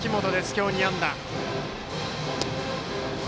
今日２安打。